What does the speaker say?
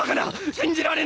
信じられぬ！